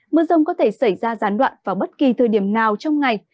mưa rông có thể xảy ra gián đoạn vào bất kỳ thời điểm nào trong ngày